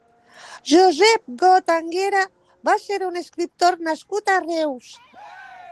Josep Got Anguera va ser un escriptor nascut a Reus.